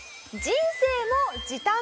人生が時短？